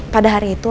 pada hari itu